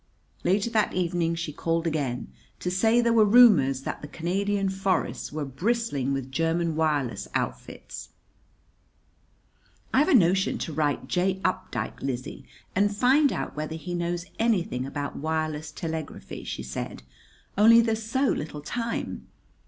Later that evening she called again to say there were rumors that the Canadian forests were bristling with German wireless outfits. "I've a notion to write J. Updike, Lizzie, and find out whether he knows anything about wireless telegraphy," she said, "only there's so little time.